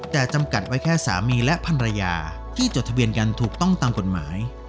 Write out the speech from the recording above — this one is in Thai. แต่จำกัดไว้แค่สามีและภรรยาที่จดทะเบียนกันถูกต้องตามกฎหมาย